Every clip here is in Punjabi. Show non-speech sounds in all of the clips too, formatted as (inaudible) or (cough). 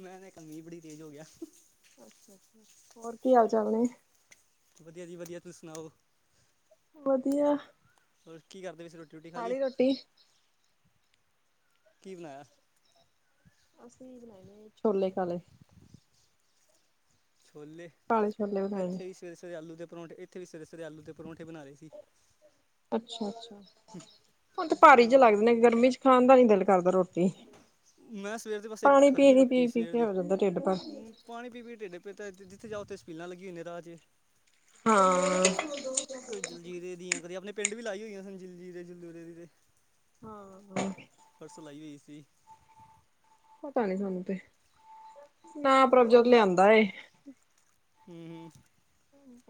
ਮੈਂ ਦੇਖਾਂ, ਮੀਂਹ ਬੜੀ ਤੇਜ਼ ਹੋ ਗਿਆ। ਹੋਰ, ਕੀ ਹਾਲ ਚਾਲ ਨੇ? ਵਧੀਆ ਜੀ ਵਧੀਆ, ਤੁਸੀਂ ਸੁਣਾਓ? ਵਧੀਆ। ਕੀ ਕਰਦੇ ਪਏ ਸੀ। ਖਾ ਲਈ ਰੋਟੀ? ਕੀ, ਬਣਾਇਆ? ਅਸੀਂ ਬਣਾਏ ਨੇ ਛੋਲੇ, ਕਾਲੇ ੍ (inaudible) ਛੋਲੇ। ਕਾਲੇ ਛੋਲੇ, ਬਣਾਏ ਨੇ। ਇੱਥੇ ਵੀ ਸਵੇਰੇ ਸਵੇਰੇਲੂ ਦੇ ਪਰੌਠੇ ਇੱਥੇ ਵੀ ਸਵੇਰੇ ਸਰੇ ਆਲੂ ਦੇ ਪਰੌਠੇ ਬਣਾ ਰਹੇ ਸੀ ਅੱਛਾ- ਅੱਛਾ। ਹੁਣ ਤੇ ਭਾਰੀ ਜਿਹਾ ਹਾਂ ਲੱਗਦੇ ਨੇ, ਗਰਮੀ ਚ ਖਾਣ ਦਾ ਨੀ ਦਿਲ ਕਰਦਾ ਰੋਟੀ। ਮੈਂ ਸਵੇਰ ਦੇ ਬਸ ਇੱਕ ਹੀ ਪਾਣੀ, ਖਾਧੀ ਪੀਣੀ ਪੀ ਰੋਟੀ -ਪੀ ਸਵੇਰ ਕੇ ਦੀ ਹੋ ਜਾਂਦਾ, ਢਿੱਡ ਭਾ ਹੂੰ, ਪਾਣੀ ਪੀ ਪੀ ਢਿੱਡ ਜਿੱਥੇ ਜਾਓ ਉਥੇ ਛਬੀਲਾਂ ਲਗੀਆਂ ਹੁੰਦੀਆਂ ਰਾਹ ਚ ਹਾਂ। ਕਦੀ ਜਲ ਜੀਰੇ ਦੀਆਂ, ਕਦੀ ਆਪਣੇ ਪਿੰਡ ਵੀ ਲਾਈ ਹੋਈਆਂ ਸਨ, ਜਲ ਜੀਰੇ ਦੀਆਂ। ਹਾਂ। ਪਰਸ ਲਾਈ ਹੋਈ ਸੀ ਪਤਾ ਨੀ ਸਾਨੂੰ ਤੇ ਨਾ ਪ੍ਰਭਜੋਤ ਲਿਆਂਦਾ ਏ ਹਮ -ਹਮ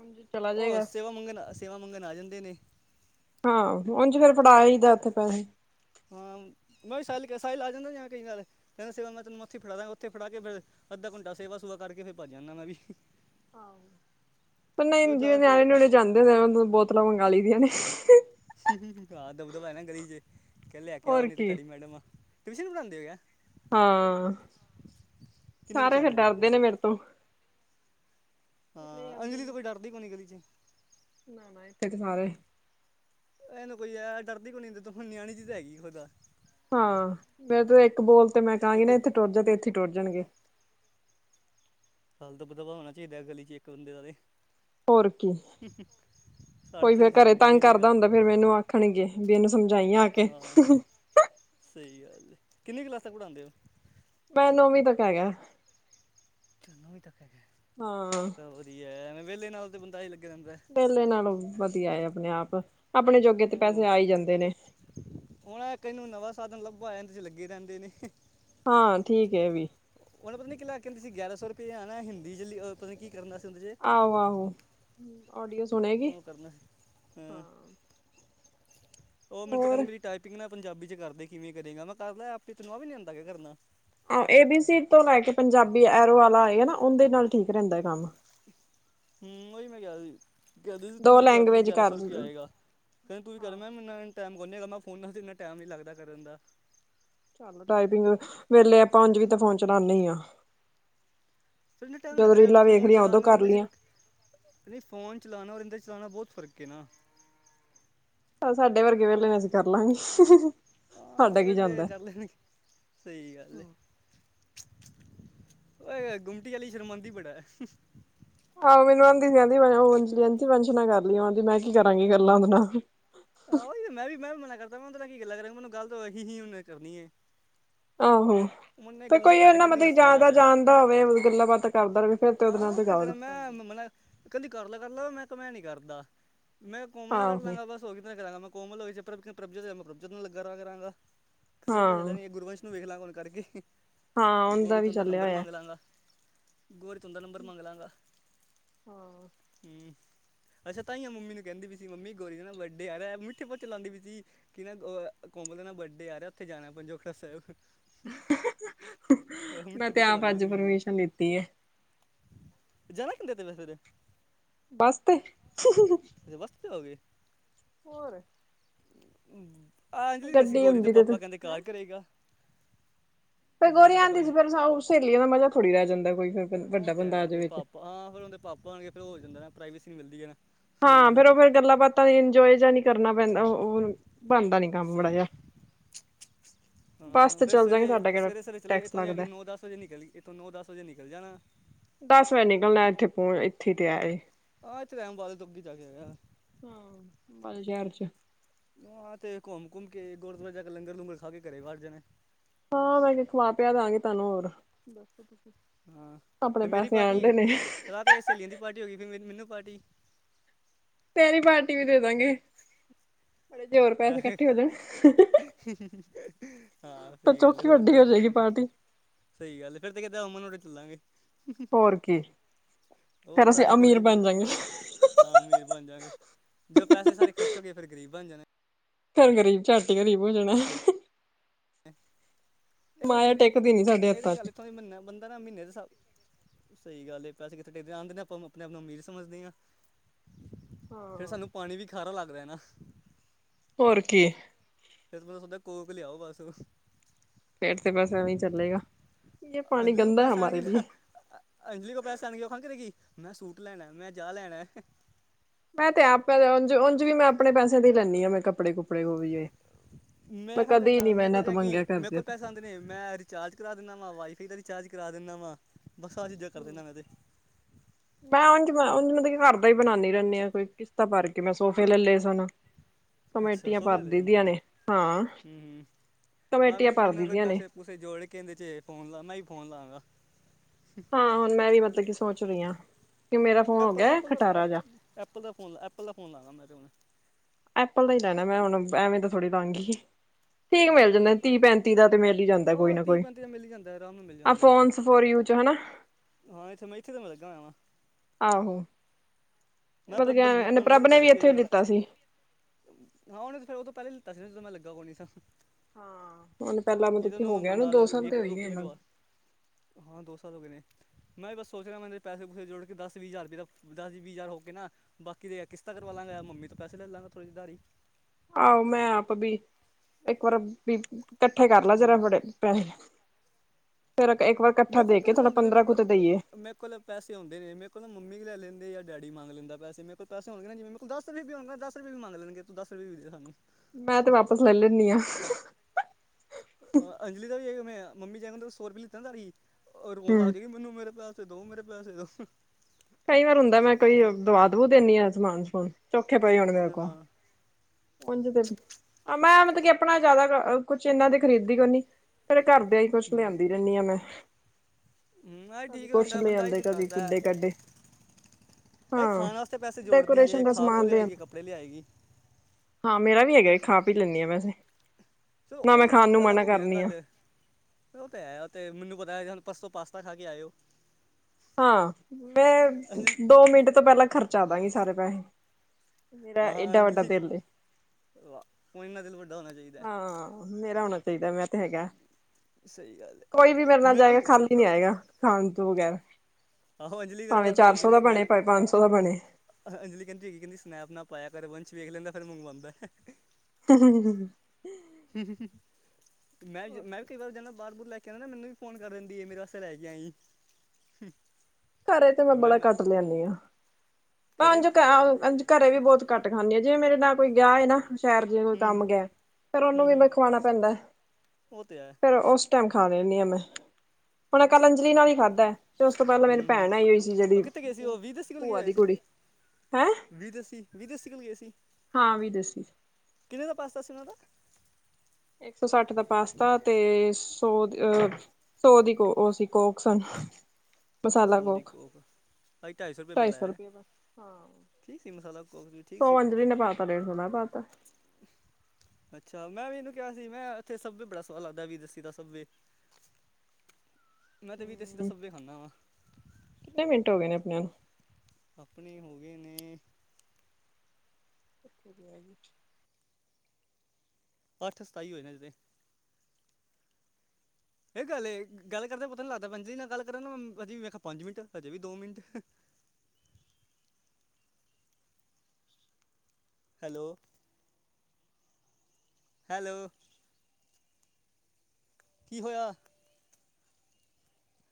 ਉਂਜ ਚਲਾ ਉਹ ਜਾਏਗਾ ਸੇਵਾ ਮੰਗਣ ਸੇਵਾ ਮੰਗਣ ਆ ਜਾਂਦੇ ਨੇ। ਹਾਂ ਉਂਝ ਫੇਰ ਫੜਾ ਹੀ ਦਾ ਉੱਥੇ ਪੈਸੇ। ਹਾਂ ਮੈਂ ਕਿਹਾ ਵੀ ਸ ਸਾਈ ਲਾ ਜਾਂਦਾ ਜਾਂ ਕਈ ਵਾਰ। ਕਹਿੰ ਸੇਵਾ ਮੈਂ ਤੈਨੂੰ ਉੱਥੇ ਫੜਾ ਦਦਾ ਉਥੇ ਫੜਾ ਕੇ ਫਿਰ ਅਧਾ ਘੰਟਾ ਸੇਵਾ ਸਵਾ ਭੱਜ ਜਾਂਦਾ ਮੈਂ ਵੀ। ਨਹੀਂ ਬਹੁਤ ਜਿਵੇਂ ਜ਼ਿਆਦਾ ਨਿਆਣੇ ਨਿਆਣੇ ਜਾਂਦੇ ਬੋਤਲਾਂ ਮੰਗ ਲਈ ਦੀਆਂ ਨੇ। ਹਾ ਹਹ ਦੱਬ ਦਬਾ ਨਾ ਗਲੀ ਚ ਕ ਲੈ ਕੇ ਆਓ ਹੋਰ ਨੀ ਤੇ ਕੀ ਤੁਹਾਡੀ ਮੈਡਮ ਆ ਟਿਊਸ਼ਨ ਪੜਾਉਂਦੇ ਹੋ ਹਾਂ ਕਿੰਨੇ ਬੱਚੇ ਸਾਰੇ ਫਿਰ ਆਉਂਦੇ ਡਰਦੇ ਨੇ ਮੇਰੇ ਤੋਂ ਨਹੀਂ ਹਾਂ ਆਉਂਦੇ ਅੰਜਲੀ ਨੇ ਕੋਈ ਡਰਦੀ ਕੋਣੀ ਗਲੀ ਜੀ ਨਾ ਨਾ ਇੱਥੇ ਤੇ ਸਾਰੇ ਇਹਨੂੰ ਕੋਈ ਹੈ ਡਰਦੀ ਕੋਈ ਨੀ ਤ ਹੁਣ ਨਿਆਣੀ ਜੀ ਤਾਂ ਹੈਗੀ ਖੁਦਾ ਹਾਂ ਮੈਂ ਤੇ ਇੱਕ ਬੋਲ ਤੇ ਮੈਂ ਇਹ ਕਹਾਂਗੀ ਨਾ ਤੇ ਇੱਥੇ ਟੁਰ ਜਾ ਤੇ ਇੱਥੇ ਟੁਰ ਜਾਣਗੇ ਸਾਲ ਤਾਂ ਪਧਵਾ ਹੋਣਾ ਚਾਹੀਦਾ ਗਲੀ ਚ ਇੱਕ ਬੰਦੇ ਦਾ ਤੇ ਹੋਰ ਕੀ ਹਮ ਕੋਈ ਫੇਿਰ ਘਰੇ ਤੰਗ ਕਰਦਾ ਹੁੰਦਾ ਫੇਿਰ ਮੈਂ ਇਹਨੂੰ ਆਖਣਗੇ ਵੀ ਇਹਨੂੰ ਸਮਝਾਈਆਂ ਆ ਕੇ ਹਾਂ ਸਹੀ ਗੱਲ ਜ ਕਿੰਨੀ ਕਲਾਸਾਂ ਪੜਾਂਦੇ ਹੋ ਮੈਂ ਨੌਵੀਂ ਤੱਕ ਹੈਗਾ ਚਨਮੀ ਤੱਕੇ ਹਾਂ ਤਾਂਹੀ ਹੈ ਮ ਵਿਹਲੇ ਨਾਲ ਤੇ ਬੰਦਾ ਹੀ ਲੱਗਗੇ ਰੇਂਦਾ ਪੇਲੇ ਨਾਲੋਂ ਵਧੀਆ ਆਪਣੇ ਆਪ ਆਪਣੇ ਜੋਗੇ ਤੇ ਪੈਸੇ ਆ ਹੀ ਜਾਂਦੇ ਨੇ ਹਣਾ ਕਨ ਨੂੰ ਨਵਾਂ ਸਾਧਨ ਲੱਭਵਾਦੇ ਚ ਲੱਗੇ ਰਹਿੰਦੇ ਨੇ ਹਾਂ ਠੀਕ ਹੈ ਵੀ ਉਹਨੇ ਪਤਾ ਨੀ ਕਿ ਲਲਾ ਕੇਹਿੰਦੇ ਸੀ ਗਿਆਰਾਂ ਸੌ ਰੁਪਏ ਆ ਨਾ ਹਿੰਦੀ ਚ ਪਤਾ ਨ ਕੀ ਕਰਨਾ ਸੀ ਉਹਦੇ ਚ ਆਹੋ ਆਹੋ ਡੀਓ ਸੁਣੇਗੀ ਉਹ ਕਰਨਾ ਹਾਂ ਉਹ ਮੇਰੇੂੰ ਕਹਿੰਦੀ ਹੋਰ ਮੇਰੀ ਟਾਈਪਿੰਗ ਮ ਪੰਜਾਬੀ ਚ ਕਰਦੇ ਕਿਵੇਂ ਕਰੇਗਾ ਮੈਂ ਕਰ ਲਿਆ ਆਪ ਹੀ ਸੁਨਵਾ ਵੀ ਨੀ ਆਂਦਾ ਕਰਨਾ ਆਹ ਏ ਬੀ ਸੀ ਤੋਂ ਲੈ ਕੇ ਪੰਜਾਬੀ ਐਰੋ ਵਾਲਾ ਨਾ ਉਹਦੇ ਨਾਲ ਠੀਕ ਰਹਿੰਦਾ ਕੰਮ ਹਮ ਉਹੀ ਮੈਂ ਕਿਹਾ ਸੀ ਕਹਿ ਸੀ ਤੂੰ ਦੋ ਵੀ ਕਰ ਲਈ ਲੈਂਗੁਏਜ ਗਿਆਰਾਂ ਸੌ ਰੁਪਇਆ ਆਏਗਾ ਕਿੰ ਕੀ ਕਰ ਆਹੋ ਮੈ ਇੰਨਾ ਟਾਈਮਹਨੇ ਆ ਕਰਗਾ ਮ ਫੋਨ ਨਾਲ ਫਿਰ ਇੰਨਾ ਟਮ ਨਹੀਂ ਲੱਗਦਾ ਕਰਨ ਦਾ ਚਲੋ ਟਪਿੰਗ ਵੇਲੇ ਆਪਾਂ ਪੰਜ ਵਜੇ ਫੋਨ ਚਲਾਉਂਦੇ ਆਾਂ ਫਿਰ ਇੰਨਾ ਟਾਈਮ ਲਗਦਾ ਰੀਲਾਂ ਵੇਖ ਫੋਨ ਲਈਆਂ ਉਦੋਂ ਚਲਾਉਾਨ ਔ ਇ ਕਰ ਇਹਦੇ 'ਚ ਲਈਆਂ ਨਹੀਂ ਫੋਨ ਚਲਾਣਾ ਔਰ ਇਦਾ ਚਲਾਣਾ ਬਹੁਤ ਫਰਕ ਹੈ ਨਾ ਸਾਡੇ ਵਰਗੇ ਵੇਲੇ ਨੇ ਅਸੀਂ ਕਰ ਲਾਂਗੇ ਹਾਂ ਸਾਡਾ ਕੀ ਵੇਲੇ ਜਾਂਦਾ ਕਰ ਲੈਣੇ ਸਹੀ ਗੱਲ ਹੈ ਉਹ ਗੁੰਮਟੀ ਵਾਲੀ ਸ਼ਰਮਾਂਦੀ ਬੜਾ ਹੈ ਆਹੋ ਮੈਨੂੰ ਆਹਿੰਦੀ ਸੀ ਆਹਿੰਦੀਹ ਪੈਨਸ਼ ਕਰ ਲਈਦੀ ਮੈਂ ਕੀ ਕਰਾਂਗੀ ਗੱਲਾਂ ਉਹ ਨਾਲ ਆਹੋਹੀ ਮੈਂ ਵੀ ਮੈਂ ਵੀ ਮਨਾ ਕਰਦਾ ਮੈਂ ਉਹਦੇ ਨਾਲ ਕੀ ਗੱਲ ਕਰਾਂ ਮੈਨੂੰ ਗੱਲ ਇਹੀ ਹੀ ਹੁਣ ਕਰਨੀ ਏ ਆਹੋ ਤੇ ਗੱਲਾਂ ਕੋਈ ਇਹ ਘੱਟ ਨਾ ਕਰਨੀਆਂ ਮਤਲਬ ਹੱਸਣਾ ਜਾਦਾ ਜ਼ਿਆਦਾ ਹੈ ਜਾਣਦਾ ਹੋਵੇ ਗੱਲਾਂ ਬਾਤ ਆਹ ਆਣ ਰ ਕਰਰੇ ਮੈਂ ਮ ਕਹਿੰਦੀ ਕਰਲਾ ਕਰਲਾ ਗੱਲ ਮੈਂ ਕਿਹਾ ਮੈਂ ਨੀ ਕਰਦਾ, ਮੈਂ ਕੋਮਲ ਨੂੰ ਨਾਲ ਕਰ ਆਹੋ ਲਾਂਗਾ ਬਸ ਹੋਰ ਕਿਦੇ ਨਾਲ ਕਰਾਂਗਾ, ਮੈਂ ਕੋਮਲ ਹੋਈ ਪ੍ਰਭਜੋਤ ਮੈਂ ਪ੍ਰਭਜੋਤ ਨੂੰ ਲੱਗਾ ਕਰਾਂਗਾ, ਸੋਹਣ ਤਾਂ ਹਾਂ ਚੱਲ ਗੁਰਵੰਸ਼ ਵੇਖ ਲਾਂ ਗਣ ਕਰਕੇ ਹਾਂ ਉਹਦਾ ਗੋਰੀ ਵੀ ਤੂੰ ਦਾ ਚੱਲਿਆ ਨੰਬਰ ਹੋਇਆ ਮੰਗ ਲਾਂਗਾ ਗੌਰੀ ਤੁੰਦਾ ਨੰਬਰ ਮੰਗ ਲਵਾਂਗਾ ਹ ਹਾਂ ਅੱਛਾ ਤਾਇਓ ਮੰਮੀ ਨੂੰ ਕਹਿੰਦੀ ਵੀ ਸੀ ਮੰਮੀ ਗੋਰੀ ਦੇ ਨਾ ਬਰਥ ਡੇਅ ਆ ਮਿੱਠੇ ਪੱਚ ਲਾਉਂਦੀ ਵੀ ਸੀ। ਕਿ ਨਾ ਕੋਮਲ ਦੇ ਨਾਲ ਬਰਡੇ ਆ ਰਿਹਾ ਉੱਥੇ ਜਾਣਾ ਪੰਜੋਕੜਾ ਸਾਹਿਬ। ਆਹੋ ਮੈਂ ਮਿੱਠੇ ਤੇ ਪੋਚੇ ਆਪ ਲਾਉਂਦੀ ਪਈ ਅੱਜ ਸੀ ਮੰਮੀ ਨੂੰ ਪਰਮਿਸ਼ਨ ਲਿੱਤੀ ਹੈ। ਜਾਣਾ ਕਿੰਦਾ ਤੇ ਫੇਰ ਸਵੇਰੇ ਬਸ ਤੇ ਅ ਬਸ ਤੇ ਹੋ ਗਈ ਹੋਰ, ਆਜੀ ਅਸੀਂ ਗੱਡੀ ਗੋਰੀ ਤੇ ਹੁੰਦੀ ਪਾਪਾ ਕਹਿੰਦੇ ਕਾਲ ਕਰੇਗਾ। ਫਿਰ ਗੋਰੀ ਦੇ ਗੋਰੀਆਂ ਪਾਪਾ ਆਦੀ ਸੀ, ਕਹਿੰਦੇ ਫਿਰ ਸਹੇਲੀਆਂ ਦਾ ਮਜ਼ਾ ਥੋੜੀ ਰਿਹਾ ਜਾਂਦਾ, ਕੋਈ ਫਿਰ ਉਹ ਵੱਡਾ ਤੇ ਬੰਦਾ ਆ ਹੈਗਾ, ਜਾਵੇ ਫਿਰ ਵਿੱਚ ਪਾਪਾ ਹਾਂ ਫਿਰ ਉਹਦੇ ਪਾਪਾ ਆਣਗੇ, ਫਿਰ ਹੋ ਜਾਂਦਾ ਪ੍ਰਾਈਵੇਸੀ ਮਿਲਦੀ ਹੈ ਨਾ। ਹਾਂ ਗੱਲਾਂ ਦੀ ਫੇਰ ਉਹ ਫਿਰ ਗੱਲਾਂ ਬਾਤਾਂ ਨਾਲ ਇੰਜੋਏ ਜਾਂ ਨੀ ਕਰਨਾ ਪੈਂਦਾ, ਉਹ ਬਣਦਾ ਨੀ ਕੰਮ ਸਹੀ ਬੜਾ ਜਿਹਾ। (unintelligible) ਬੱਸ ਹਾਂ, ਤੇ ਫਿਰ ਚੱਲ ਜਾਂਗੇ ਸਾਡਾ ਕਿਹੜਾ ਸਵੇਰੇ-ਸਵੇਰੇ-ਸਵੇਰੇ ਚਲੇ ਟੈਕਸ ਇੱਥੋਂ ਜਾ ਕਿ ਲੱਗਦਾ ਨੌ ਦਸ ਵਜੇ ਨਿਕਲ ਇੱਥੋਂ ਨੌ ਦਸ ਵਜੇ ਨਿਕਲ ਜਾਣਾ। ਦਸ ਵਜੇ ਨਿਕਲਣਾ, ਇੱਥੇ ਪਹ ਇੱਥੇ ਤੇ ਆਏ। ਆਹ ਥੇ ਰੈਮਬਾਲ ਦੁੱਗੀ ਜਾ ਕੇ ਹੋ, (unintelligible) ਤੇ ਘੁੰਮ, ਘੁੰਮ ਕੇ ਗੁਰਦੁਆਰਾ ਜਾ ਕੇ ਲੰਗਰ ਲੂੰਗਰ ਖਾ ਕੇ ਘਰੇ (unintelligible) ਹਾਂ ਮੈਂ ਕਿਹਾ ਖਵਾ ਪਿਆ ਦਾਂਗੇ ਤੁਹਾਨੂੰ, ਹੋਰ ਦੱਸ? ਹਾਂ ਫਿਰ ਮੇਰੀ ਪਾਰਟੀ ਚਲਾ ਤੇ ਸਹੇਲੀਆਂ ਦੀ ਪਾਰਟੀ ਹੋ ਗਈ, ਫਿਰ ਮੈਨੂੰ ਪਾਰਟੀ ਤੇਰੀ ਪਾਰਟੀ ਵੀ ਦੇ ਦਾਂਗੇ, ਕੁਝ ਹੋਰ ਪੈਸੇ ਪਾਰਟੀ ਇਕੱਠੇ ਹੋ ਜਾਣ ਹਾਂ ਤਾਂ ਸਹੀ ਗੱਲ ਚੌਖੀ ਹੋਰ ਵੱਡੀ ਹੋ ਪੈਸੇ ਜਾਏਗੀ ਕਿੱਤੇੇ ਜੀ, ਪਾਰਟੀ ਸਹੀ ਗੱਲ ਫੇਰ ਕਿਹਦਾਂ (unintelligible) ਚੱਲਾਂਗੇ ਹੋਰ ਕੀ ਹੋਰ ਫੇਰ ਅਸੀਂ ਸਾਰੇ ਅਮੀਰ ਕੋਂਟੀ ਬਿਊਟ ਬਣ ਜਾਂਗੇ। ਹਾਂ ਅਮੀਰ ਬਣ ਜਾਣਗੇ, ਜੋ ਪੈਸੇ ਸਾਰੇ ਖਰਚੋਗੇ ਫੇਰ ਗਰੀਬ ਬਣ ਜਾਣੇ। ਫੇਰ ਗ਼ਰੀਬ ਝੱਟ ਗ਼ਰੀਬ ਹੋ ਜਾਣਾ। ਇਹ ਸਾਰੀ ਮਾਇਆ ਠੀਕ ਟਿਕਦੀ ਨੀ ਸਾਡੇ ਇਹ ਤੇ ਹੱਥਾਂ ਚ। ਗੱਲ ਇਥੋਂ ਦੀ ਮੰਨ ਬੰਦਾ ਨਾ ਮਹੀਨੇ ਦੇ ਹਿਸਾਬ ਸਹੀ ਗੱਲ ਪੈਸੇ ਕਿੱਥੇ ਆਦੇ ਨੇ ਆਪਾਂ, ਆਪਣੇ ਆਪ ਨੂੰ ਅਮੀਰ ਸਮਝਦੇ ਹਾਂ। ਫੇਰ ਹਾਂ ਸਾਨੂੰ ਪਾਣੀ ਵੀ ਖਾਰਾ ਲੱਗਦਾ ਨਾ, ਹੋਰ ਕੀ। ਫੇਰ ਮਤਲਬ ਸਦਾ ਕੋਕ ਲਿਆਓ ਬਸ, ਫੇਰ ਤੇ ਬਸ ਏਵੇਂ ਚੱਲੇਗਾ, ਇਹ ਪਾਣੀ ਅੰਜਲੀ ਕੋਲ ਗੰਦਾ ਹੈ ਪੈਸੇ ਹਮਾਰੇ ਆਣਗੇ ਲ ਨਾ ਅੰਜਲੀ ਕੋਈ ਪੈਸਿਆਂ ਨੀ ਉਹ ਕਹੇਗੀ, ਮੈਂ ਸੂਟ ਲੈਣਾ ਮੈਂ ਆ ਲੈਣਾ। ਮੈਂ ਤੇ ਆਪ ਉੰਝ ਵੀ ਮੈਂ ਆਪਣੇ ਪੈਸੇ ਦੀ ਹੀ ਲੈਂਦੀ ਹਾਂ, ਮੈਂ ਕੱਪੜੇ ਕੱਪੜੇ ਕੋ ਵੀਏ ਮੈਂ ਕਿਹਾ ਕਦੇ ਕਰਨਾ ਨੀ ਮੈਂ ਮੇਰੇ ਇਹਨਾਂ ਕੋਲ ਤੋਂ ਜਾਂ ਕਿ ਮੰਗਿਆ ਮੇਰੇ ਕਰਦੇ, ਕੋਲ ਪੈਸੇ ਆਉਂਦੇ ਨੇ ਮੈਂ ਰਿਚਾਰਜ ਕਰਾ ਦਿੰਦਾ, ਵਾ ਵਾਈਫਾਈ ਦਾ ਰਿਚਾਰਜ ਕਰਾ ਦਿੰਦਾ ਵਾ ਬਸ ਸਾਰ ਚੀਜ਼ਾਂ ਕਰ ਤੋਂ। ਦਿੰਦਾ ਮੈਂ ਤੇ, ਮੈਂ ਉਝ ਮਤਲਬ ਘਰ ਦਾ ਹੀ ਬਣਾਦੀ ਰਹਿੰਦੀ ਹਾਂ ਕੋਈ, ਕਿਸ਼ਤਾ ਭਰ ਕੇ ਮੈਂ ਸੋਫੇ ਲੈ ਲਏ ਸਨ। ਅੱਛਾ ਕਮੇਟੀਆਂ ਸੋਫੇ ਲੈ ਲਏ ਭਰਦੀ ਸਨ ਦੀਆਂ ਨੇ ਹਾਂ, ਹੂੰ ਹੂੰ ਕਮੇਟੀਆਂ ਭਰ ਦੀਆਂ ਨੇ। ਕੁਛ ਜੋੜ ਕਹਿੰਦੇ ਚ ਫੋਨ ਲਾਦਾ ਹੀ ਫੋਨ ਲਾਦਾ। ਹਾਂ ਹੁਣ ਮੈਂ ਵੀ ਮਤਲਬ ਕੀ ਸੋਚ ਰਹੀ ਹਾਂ, ਕਿ ਮੇਰਾ ਫੋਨ ਮੈਂ ਹੋ ਐਪਲ ਗਿਆ ਐਪਲ ਦਾ ਖਟਾਰਾ ਜਾ। ਐਪਲ ਦਾ ਫੋਨ ਐਪਲ ਦਾ ਫੋਨ ਲਉ ਮੈਂ ਤੇ ਹੁਣ ਐਪਲ ਦਾ ਹੀ ਲੈਣਾ, ਮੈਂ ਹੁਣ ਐਵੇਂ ਤਾਂ ਥੋੜੀ ਲਾਗੀ। ਠੀਕ ਹਾਂ ਮਿਲ ਮੈਂ ਵੀ ਜਾਂਦੇ ਐਪਲ ਤੀਹ ਪੈਂਤੀ ਦਾ ਤੇ ਮਿਲ ਹੀ ਜਾਂਦਾ ਕੋਈ ਉਹ ਨਾ ਤੀਹ ਕੋਈ ਪੈਂਤੀ ਦਾ ਮਿਲ ਹੀ ਜਾਂਦਾ ਆਰਾਮ ਨਾਲ ਮਿਲ ਆ ਜਾਂਦਾ ਹੈ ਫੋਨ ਫੋਰ ਯੂ ਹੈਨਾ, ਹਾਂ ਇੱਥੇ ਮੈਂ ਲਗਾ ਹੋਇਆ ਵਾਂ, ਆਹੋ ਮੈਂ ਪਰ ਮਤਲਬ, ਬੱਲੂ ਨੂੰ ਇਹਨੇ ਫੋਨ ਮੈਂ ਹੀ ਪ੍ਰਭ ਨੇ ਦਿੱਤਾ ਵੀ ਸੀ ਉਹ ਇੱਥੇ ਜਿਹੜਾ ਲਿੱਤਾ ਸੀ। ਹਾਂ ਉਹਨੇ ਤੇ ਫੇਰ ਉਹ ਤੋਂ ਪਹਿਲੇ ਹੀ ਲਤਾ ਸੀ, ਨਾ ਜਦੋਂ ਮੈਂ ਲੱਗਾ ਕੋਨੀ ਸਾ, ਹਾਂ ਹੁਣ ਪਹਿਲਾਂ ਨਹੀਂ ਮਤਲਬ ਤੁ ਕਿ ਹੋ ਉਹਨੂੰ ਗਿਆ ਨਾ ਦੋ ਨਾਲ ਸਾਲ ਤੇ ਗਿਫਟ ਹੋਈ ਗਏ ਗੁਫਟ ਵੀ ਇਹਨਾਂ ਨੂੰ ਦਵਾ ਹਾਂ ਦੋ ਸਾਲ ਹੋ ਗਏ ਨੇ। ਮੈਂ ਵੀ ਬਸ ਸੋਚ ਰਿਆ, ਮੇਰੇ ਪੈਸੇ ਪੂਸੇ ਜੋੜ ਕੇ ਦਸ ਵੀਹ ਹਜ਼ਾਰ ਰੁਪਏ ਦਾ ਦਸ ਵੀਹ ਹਜ਼ਾਰ ਹੋ ਕੇ ਨਾ ਬਾਕੀ ਦੀਆਂ ਕਿਸ਼ਤਾਂ ਕਰਵਾ ਲਾਂ ਗਾ ਜਾ ਮਮੀ ਤੋਂ ਪੈਸੇ ਲੈ ਲਾਂਗਾ ਥੋੜੀ ਅਧਾਰੀ। ਆਹੋ ਮੈਂ ਆਪ ਵੀ, ਇੱਕ ਵਾਰ ਵੀ ਕੱਠੇ ਕਰ ਲਾ ਜਰਾ, ਹੂੰ ਥੋੜੇ ਪੈਹੈ ਫੇਰ ਇੱਕ ਵਾਰ ਮੇ ਇਕੱਠਾ ਕੋਲ ਦੇ ਕੇ ਪੈਸੇ ਥੋੜਾ ਹੁੰਦੇ ਨੇ, ਮੇਰੇ ਪੰਦਰਾਂ ਕੁ ਕੋਲ ਤੇ ਦੇਈਏ ਮੇਰੇ ਕੋਲ। ਪੈਸੇ ਹੁਣਦੇ ਨੇ ਮੇਰੇ ਕੋਲ ਨਾ ਮੰਮੀ ਵੀ ਲੈ ਲੈੈਂਦੀ, ਏ ਜਾਂ ਡੈਡੀ ਮੰਗ ਲੈਂਦਾ ਪੈੇਸੇ, ਮੇ ਕੋਲ ਪੈਸ ਹੋਣਗੇ ਨਾ ਜਿਵੀ ਮੇ ਕੋਲ ਦੱਸ ਦੁਪਏ ਹੋਣ ਗੇ ਨਾ ਦਸ ਰੁਪ ਵੀ ਮੰਗ ਲੈਣਗੇ। ਤੂੰ ਦਸ ਰੁਪਏ ਵੀ ਦੇ ਸਾਨੂੰ। ਮੈਂ ਤੇ ਵਾਪਸ ਲੈ ਲੈਣੀ ਆ। ਅਹ ਅੰਜਲੀ ਦਾ ਵੀ ਹੈ ਮੈਂ ਮੰਮੀ ਜ ਸੌ ਰੁਪਏ ਲਿੱਤਾ ਤੁਹਾ ਰੋ ਹਮ ਲੱਗ ਜਾਗੀ ਮੈਨੂੰ ਮੇਰੇ ਪਿਆ ਤੇ ਦੋ ਮੇਰੇ ਪੈਸੇ। ਕਈ ਵਾਰ ਹੁੰਦਾ ਮੈਂ ਕੋਈ ਔਰ ਦਵਾ ਦਵੁ ਦੇਣੀ ਐ ਸਮਾਨ- ਸਮਾਨ ਚੌਖੇ ਪਏ ਹੋਣ ਮੇਰੇ ਕੋਲ। ਹਾਂ ਉਝ ਬੇ। ਮੈਂ ਮਤਲਬ ਕਿ ਆਪਣਾ ਜ਼ਿਆਦਾ ਕੁਛ ਇਨਾਂ ਤੇ ਖਰੀਦਦੀ ਕੋਇਨੀ। ਫੇਰ ਘਰਦਿਆਂ ਹੀ ਕੁੱਛ ਲਿਆਂਦੀ ਰਹਿੰਨੀ ਆਂ ਮੈਂ। ਹਮ ਆ ਕਦੀ ਠੀਕ ਕੁਛ ਹੁੰਦਾ। ਬੰਦਾ ਈ ਲਿਆਂਦੇ ਤੇ ਕਦੀ ਕਰਦੈ। ਗੁੱਡੇ ਗਾਡੇ ਇਹ ਹਾਂ ਖਾਣ ਆਸਤੇ ਪੈਸੇ ਜੋੜਦੀ ਏ ਡੈਕੋਰੇਸ਼ਨ ਦਾ ਖਾਹ- ਖੁਹ ਸਮਾਨ ਲਏਗੀ, ਲਿਆਂਦਾ ਕਪੜੇ ਲਿਆਏਗੀ। ਹਾਂ ਮੇਰਾ ਵੀ ਹੈਗਾ। ਖਾ ਪੀ ਲੈਂਨੀ ਆਾਂ ਵੈਸੇ ਸੋ ਨਾ ਮੈਂ ਉਹ, ਖਾਣ ਨੂੰ ਅਲੱਗ ਮਨਾ ਹੋ ਗਈ ਨਾ ਕਰਨੀ ਆ ਗਲ। ਉਹ ਤੇ ਹੈ। ਓਹ ਤੇ ਮੈਨੂੰ ਪਤਾ ਹੈ ਹੁਣ ਪਰਸੋਂ ਪਾਸਤਾ ਖਾ ਕੇ ਆਇਓ। ਹਾਂ ਮੈਂ ਅੰਜਲੀ ਦੋ ਮਿੰਟ ਤੋਂ ਪਹਿਲਾਂ ਖਰਚਾ ਦਾਂਗੀ ਸਾਰੇ ਪੈਹੈ। ਹਾਂ ਅ (unintelligible) ਹਾਂ ਮੇਰਾ ਹੋਣਾ ਚਾਈਦਾ ਮੈਂ ਤੇ ਹੈਗਾ। ਸਹੀ ਗੱਲ ਹੈ ਕੋਈ ਵੀ ਮੇਰੇ ਨਾਲ ਜਾਇਗਾ ਖਾਲ ਨਹੀਂ ਆਏਗਾ ਖਾਣ ਤੋਂ ਬਗੈਰ। ਆਹੋ ਅੰਜਲੀ ਮੈਨੂੰ ਭਾਵੇਂ ਚਾਰ ਸੌ ਦਾ ਬਣੇ, ਭਾਵੇਂ ਪੰਜ ਸੌ ਦਾ ਬਣੇ। ਅਜਲੀ ਕੇਂਦੀ ਸੀ ਕੇਂਦੀ ਸਨੈਪ ਨਾ ਪਾਇਆ ਕਰ। ਵੰਸ਼ ਵੇਖ ਲੈਂਦਾ ਫੇਰ ਮੂੰਹ ਬਨਦਾ ਹ (unintelligible) ਹੂੰ ਹੂੰ। ਮੈਂ ਜ ਮੈਂ ਵੀ ਕਈ ਵਾਰ ਜਾਂਨਾ ਬਾਰ- ਬੁਰ ਲੈ ਕੇ। ਕਹਿੰਦਾ ਮੈਨੂੰ ਵੀ ਫੋਨ ਕਰ ਦਿੰਦੀ ਏ ਮੇਰੇ ਵਾਸਤੇ ਲੈ ਕੇ ਆਈ। ਘਰੇ ਤੇ ਮੈਂ ਬੜਾ ਕੱਟ ਲਿਆਨੀ ਆ। ਕਰੇ ਅੰਜ ਤੇ ਆ ਅੰਜ ਘਰੇ ਵੀ ਬਹੁਤ ਘੱਟ ਖਾਂਨੀ ਆ। ਜਿਵੇਂ ਮੇਰੇ ਨਾਲ ਕੋਈ ਗਿਆ ਏ ਨਾ ਸ਼ਹਿਰ- ਸ਼ੁਰ ਜ ਕੋਈ ਹੂੰ ਕੰਮ ਗਿਆ ਫੇਰ ਉਹਨੂੰ ਵੀ ਮੈਂ ਖਵਾਣਾ ਪੈਂਦਾ। ਓਹ ਤੇ ਹੈ। ਟੈਮ ਖਾ ਲੈਣੀ ਆ ਮੈਂ। ਹੁਣ ਏ ਕੱਲ ਅੰਜਲੀ ਨਾਲ ਹੀ ਖਾਦਾ ਤੇ ਉਸ ਤੋਂ ਪਹਿਲਾਂ ਹੂੰ ਮੇਰੇ ਹੂੰ ਉਹ ਕਿੱਥੇ ਗਏ ਸੀ? ਉਹ ਵਿ ਦੇਸੀ ਕੋਲ ਗਏ ਭੂਆ ਹੋਏ ਦੀ ਸੀ? ਕੁੜੀ ਹੈਂ ਵੀ ਦੇਸੀ- ਵੀ ਦੇਸੀ ਕੋਲ ਗਏ ਸੀ? ਹਾਂ ਵੀ ਦੇਸੀ। ਕਿੰਨੇ ਦਾ ਪਾਸਤਾ ਸੀ ਉਨਾਂ ਦਾ? ਇੱਕ ਸੌ ਸੱਠ ਦਾ ਪਾਸਤਾ। ਤੇ ਸੋ ਅਹ ਸੋ ਦੀ ਉਹ ਸੀ ਕੋਕ ਸਨ। ਅੱਛਾ। ਸੋ ਦੀ ਕੋਕ ਤਾਂਈ ਢਾਈ ਸੌ ਰੁਪਏ ਬਿੱਲ ਆਇਆ। ਰੁਪਏ ਦਾ। ਹਾਂ ਠੀਕ ਸੀ ਮਸਾਲਾ? ਕੋਕ ਵੀ ਠੀਕ ਸੀ? ਸੌ ਅੰਜਲੀ ਨੇ ਪਾਤਾ ਡੇਢ ਸੌ ਮੈਂ ਪਾਤਾ ਅੱਛਾ ਮੈਂ ਵੀ ਇਨੂੰ ਕਿਹਾ ਸੀ। ਮੈਂ ਇੱਥੇ ਸੱਭਵੈ ਬੜਾ ਸੋਹਾ ਲੱਗਦਾ ਵੀ ਦੇਸੀ ਦਾ ਸੱਭਵੈ। ਮੈਂ ਤੇ ਵੀ ਦੇਸੀ ਦਾ ਸਬਵੈ ਖਾਂਨਾ ਵਾ। ਕਿਨੇ ਮਿੰਟ ਹੋ ਗਏ ਨੇ ਆਪਣੇਆਂ ਨੂੰ? ਆਪਣੇ ਹੋ ਗਏ ਨੇ ਸ਼ਕਰੀਆ ਜੀ (unintelligible) ਅੱਠ ਸਤਾਈ ਹੋਏ ਨੇ ਅਜੇ ਤੇ। ਇਹ ਗੱਲ ਹੈ ਗੱਲ ਕਰਦਾ ਪਤਾ ਨ ਲੱਗਦਾ ਪੰਜ ਦੀ ਨਾਲ ਗੱਲ ਕਰ ਹਜੇ ਵੀ ਮੇਖਾ ਪੰਜ ਮਿੰਟ ਹਜੇ ਵੀ ਦੋ ਮਿੰਟ (unintelligible) ਹੈਲੋ। ਹੈਲੋ। ਕੀ ਹੋਯਾ?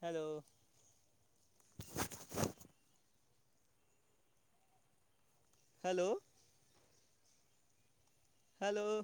Hello hello hello